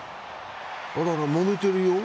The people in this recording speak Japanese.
あらら、もめてるよ。